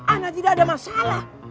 ana tidak ada masalah